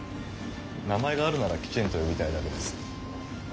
名前があるならきちんと呼びたいだけです。